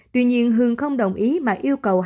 tuy nhiên hường không đồng ý mà yêu cầu hai em mở